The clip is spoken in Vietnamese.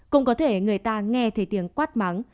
cũng có thể người ta nghe thấy tiếng quát mắng